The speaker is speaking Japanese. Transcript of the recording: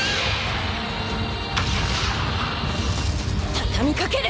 畳みかける。